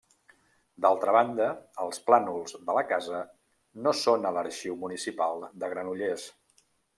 D'altra banda, els plànols de la casa no són a l'arxiu municipal de Granollers.